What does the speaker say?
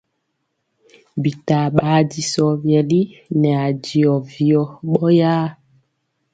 Bitaa ɓaa disɔ vyɛli nɛ ajɔ vyɔ ɓɔyaa.